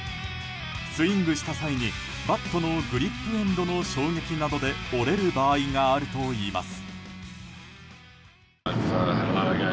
スイングした際にバットのグリップエンドの衝撃などで折れる場合があるといいます。